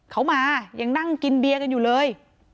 เขามายังนั่งกินเบียร์กันอยู่เลย